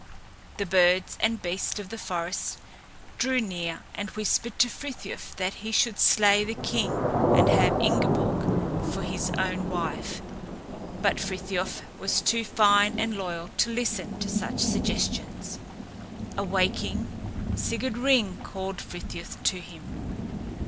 The birds and beasts of the forest drew near and whispered to Frithiof that he should slay the king and have Ingeborg for his own wife. But Frithiof was too fine and loyal to listen to such suggestions. Awaking, Sigurd Ring called Frithiof to him.